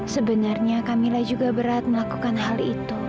sebenarnya kamilah juga berat melakukan hal itu